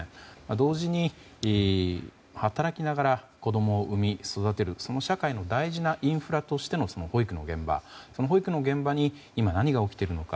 同時に働きながら子供を産み、育てるその社会の大事なインフラとしての保育の現場に今、何が起きているのか。